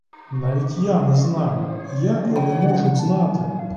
Навіть я не знаю, як вони можуть знати?